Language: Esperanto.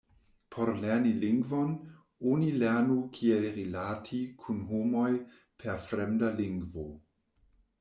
Por lerni lingvon, oni lernu kiel rilati kun homoj per fremda lingvo.